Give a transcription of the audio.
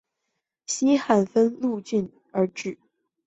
西汉分钜鹿郡而置。